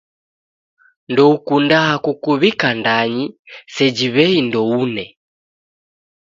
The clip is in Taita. Ndoukundaa kukuw'ika ndanyi seji w'ei ndoune.